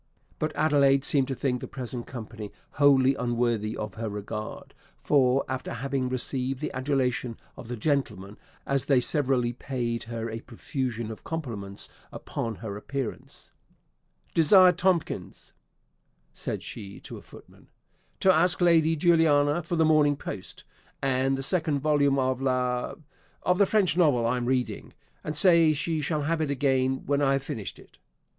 But Adelaide seemed to think the present company wholly unworthy of her regard; for, after having received the adulation of the gentlemen, as they severally paid her a profusion of compliments upon her appearance, "Desire Tomkins," said she to a footman, "to ask Lady Juliana for the 'Morning Post,' and the second volume of 'Le ,' of the French novel I am reading; and say she shall have it again when I have finished it."